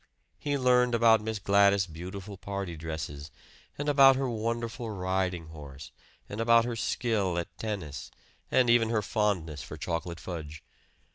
He learned about Miss Gladys's beautiful party dresses, and about her wonderful riding horse, and about her skill at tennis, and even her fondness for chocolate fudge.